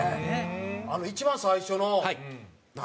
一番最初の何？